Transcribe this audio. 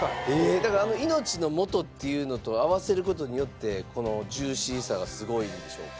だから命のもとっていうのと合わせる事によってこのジューシーさがすごいんでしょうか。